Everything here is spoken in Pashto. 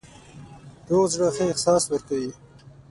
روغ زړه ښه احساس ورکوي.